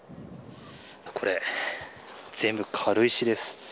これ、全部軽石です。